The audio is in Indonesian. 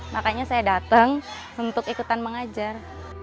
makanya saya datang untuk ikutan mengajar